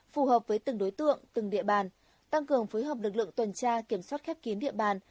phù hợp với từng đối tượng từng địa bàn tăng cường phối hợp lực lượng tuần tra kiểm soát khép kín địa bàn